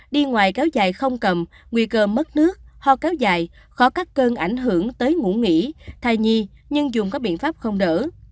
đi ngoài kéo dài không cầm nguy cơ mất nước ho kéo dài khó các cơn ảnh hưởng tới ngủ nghỉ thai nhi nhưng dùng các biện pháp không đỡ